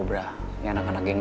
wanita mada juga